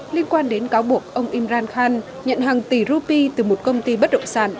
liên quan đến cáo buộc ông imran khan nhận hàng tỷ rupee từ một công ty bất động sản